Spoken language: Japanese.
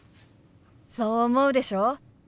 そう思うでしょ？